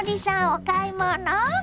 お買い物？